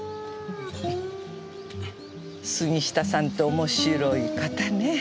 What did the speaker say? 杉下さんって面白い方ね。